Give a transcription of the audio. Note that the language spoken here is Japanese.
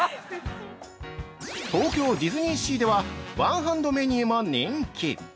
◆東京ディズニーシーでは、ワンハンドメニューも人気！